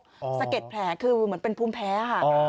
ก่อนสะเก็ดแผลคือเหมือนผู้แพ้